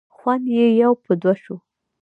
خوند یې یو په دوه شو.